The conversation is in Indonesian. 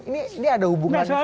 ini ada hubungan